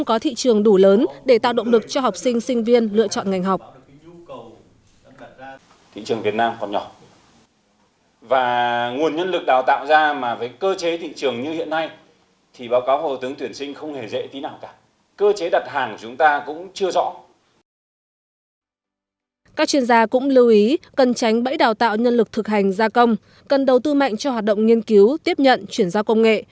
các chuyên gia cũng lưu ý cần tránh bẫy đào tạo nhân lực thực hành gia công cần đầu tư mạnh cho hoạt động nghiên cứu tiếp nhận chuyển giao công nghệ